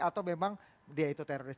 atau memang dia itu teroris